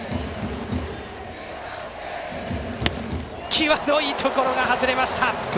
際どいところが外れました。